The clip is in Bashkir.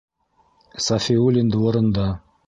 Сафиуллин дворында.